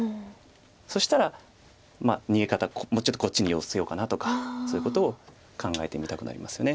そしたら逃げ方もうちょっとこっちに寄せようかなとかそういうことを考えてみたくなりますよね。